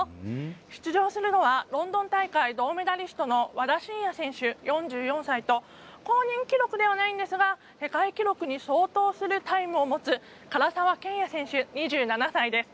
出場するのはロンドン大会銅メダリストの和田伸也選手、４４歳と公認記録ではないんですが世界記録に相当するタイムを持つ唐澤剣也選手、２７歳です。